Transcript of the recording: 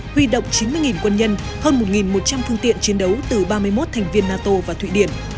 huy động chín mươi quân nhân hơn một một trăm linh phương tiện chiến đấu từ ba mươi một thành viên nato và thụy điển